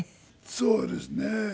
そうですね。